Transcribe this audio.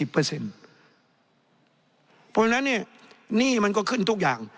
เพราะฉะนั้นหนี้มันก็ขึ้นทุกอย่าง